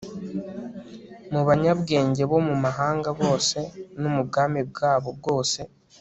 mu banyabwenge bo mu mahanga bose no mu bwami bwabo bwose